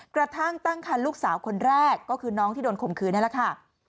กระทั่งตั้งคันลูกสาวคนแรกก็คือน้องที่โดนข่มขืนนี่แหละค่ะ